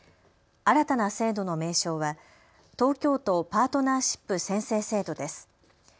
新たな制度の名称は東京都パートナーシップ宣誓制度です。